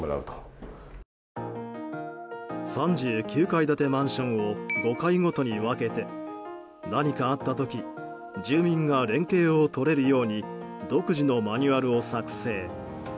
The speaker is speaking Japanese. ３９階建てマンションを５階ごとに分けて何かあった時住民が連携を取れるように独自のマニュアルを作成。